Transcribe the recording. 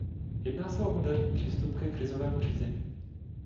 Jedná se o moderní přístup ke krizovému řízení.